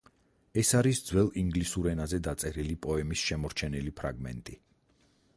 ეს არის ძველ ინგლისურ ენაზე დაწერილი პოემის შემორჩენილი ფრაგმენტი.